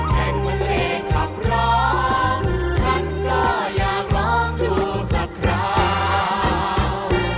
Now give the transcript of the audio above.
แข่งมะเลขับร้อมฉันก็อยากลองดูสักคราว